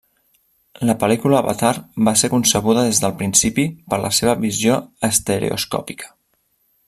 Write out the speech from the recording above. La pel·lícula Avatar va ser concebuda des del principi per la seva visió estereoscòpica.